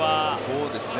そうですね。